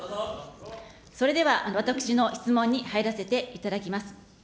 それでは私の質問に入らせていただきます。